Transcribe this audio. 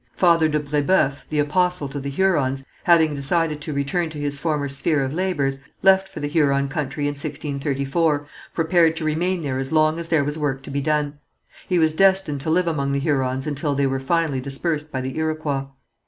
Father de Brébeuf, the apostle to the Hurons, having decided to return to his former sphere of labours, left for the Huron country in 1634, prepared to remain there as long as there was work to be done. He was destined to live among the Hurons until they were finally dispersed by the Iroquois.